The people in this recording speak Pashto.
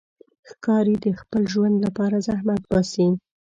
ښکاري د خپل ژوند لپاره زحمت باسي.